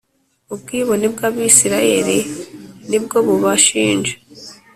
Ubwibone bw Abisirayeli ni bwo bubashinja